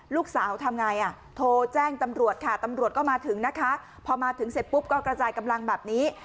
ทำไงอ่ะโทรแจ้งตำรวจค่ะตำรวจก็มาถึงนะคะพอมาถึงเสร็จปุ๊บก็กระจายกำลังแบบนี้